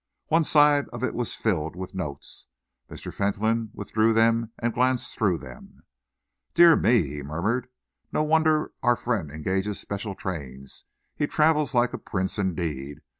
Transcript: One side of it was filled with notes. Mr. Fentolin withdrew them and glanced them through. "Dear me!" he murmured. "No wonder our friend engages special trains! He travels like a prince, indeed.